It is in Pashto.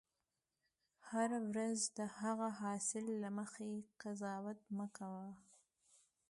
هره ورځ د هغه حاصل له مخې قضاوت مه کوه.